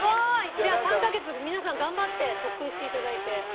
じゃあ３カ月皆さん頑張って特訓して頂いて。